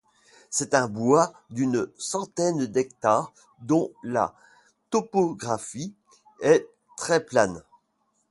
C’est un bois d’une centaine d’hectares, dont la topographie est très plane.